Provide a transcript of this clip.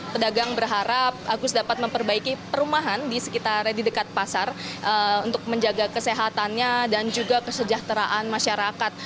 pedagang berharap agus dapat memperbaiki perumahan di dekat pasar untuk menjaga kesehatannya dan juga kesejahteraan masyarakat